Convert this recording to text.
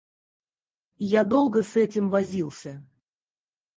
Я долго с этим возился.